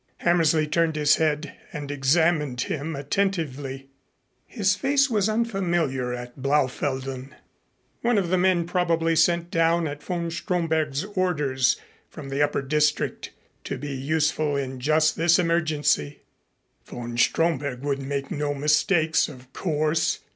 Hammersley turned his head and examined him attentively. His face was unfamiliar at Blaufelden, one of the men probably sent down at von Stromberg's orders from the upper district to be useful in just this emergency. Von Stromberg would make no mistakes, of course.